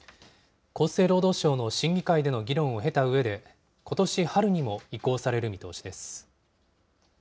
厚生労働省の審議会での議論を経たうえで、ことし春にも移行される見通しです。